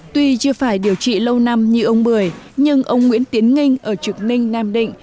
tuy chưa phải điều trị lâu năm như ông bưởi nhưng ông nguyễn tiến nghinh ở trực ninh nam định